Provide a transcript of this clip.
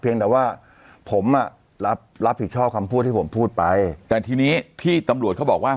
แต่ว่าผมอ่ะรับรับผิดชอบคำพูดที่ผมพูดไปแต่ทีนี้ที่ตำรวจเขาบอกว่า